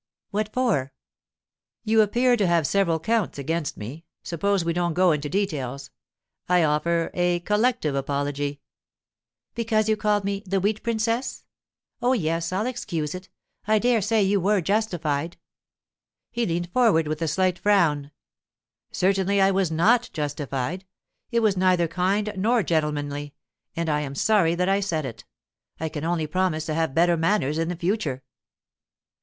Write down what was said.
'What for?' 'You appear to have several counts against me—suppose we don't go into details. I offer a collective apology.' 'Because you called me "the Wheat Princess"? Oh, yes, I'll excuse it; I dare say you were justified.' He leaned forward with a slight frown. 'Certainly I was not justified; it was neither kind nor gentlemanly, and I am sorry that I said it. I can only promise to have better manners in the future.